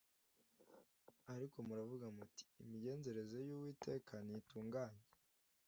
Ariko muravuga muti ‘Imigenzereze y’Uwiteka ntitunganye